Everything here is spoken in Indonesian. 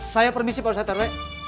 saya permisi pak ustadz rw